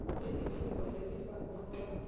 পরিস্থিতি যদি বলে যে, সেক্স করা কোন বড় ব্যাপার নয়।